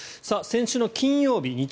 先週の金曜日日